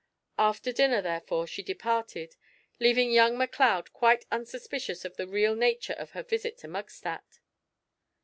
After dinner, therefore, she departed, leaving young Macleod quite unsuspicious of the real nature of her visit to Mugstat.